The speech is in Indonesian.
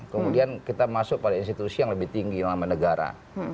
kemudian kita masuk pada institusi yang lebih tinggi yang nama negara